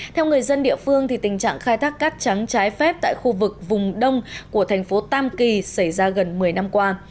theo người dân địa phương tình trạng khai thác cát trắng trái phép tại khu vực vùng đông của thành phố tam kỳ xảy ra gần một mươi năm qua